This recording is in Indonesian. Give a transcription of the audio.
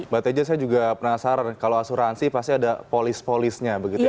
mbak teja saya juga penasaran kalau asuransi pasti ada polis polisnya begitu ya